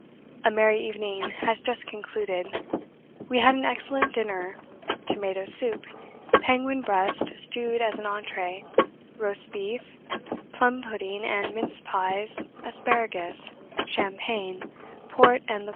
A merry evening has just concluded. We had an excellent dinner: tomato soup, penguin breast stewed as an entrée, roast beef, plum pudding, and mince pies, asparagus, champagne, port and liqueurs a festive menu.